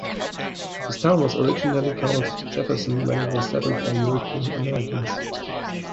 This town was originally called Jefferson when it was settled by European Americans.